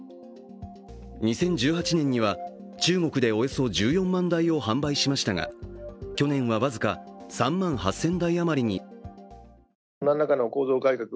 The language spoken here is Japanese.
２０１８年には中国でおよそ１４万台を販売しましたが去年は僅か３万８０００台余りに。